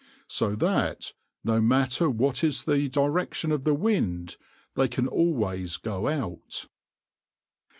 So that, no matter what is the direction of the wind, they can always go out.